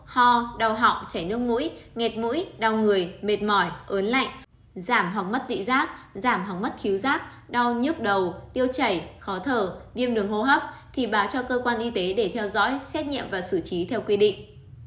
ho đau họng chảy nước mũi nhẹt mũi đau người mệt mỏi ớn lạnh giảm hoặc mất tị giác giảm hóng mất thiếu rác đau nhức đầu tiêu chảy khó thở viêm đường hô hấp thì báo cho cơ quan y tế để theo dõi xét nghiệm và xử trí theo quy định